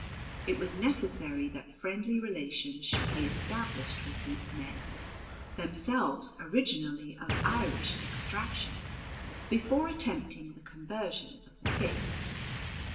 It was necessary that friendly relations should be established with these men, themselves originally of Irish extraction, before attempting the conversion of the Picts.